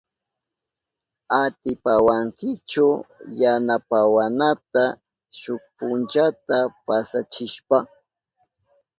¿Atipawankichu yanapawanata shuk punchata pasachishpa?